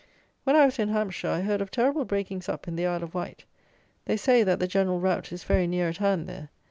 When I was in Hampshire, I heard of terrible breakings up in the Isle of Wight. They say, that the general rout is very near at hand there.